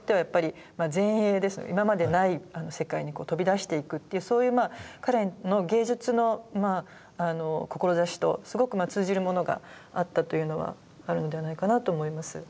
今までない世界に飛び出していくっていうそういう彼の芸術の志とすごく通じるものがあったというのはあるのではないかなと思います。